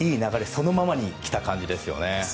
そのままに来た感じですよね。